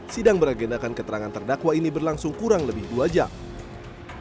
sidang beragendakan keterangan terdakwa ini berlangsung kurang lebih dua jam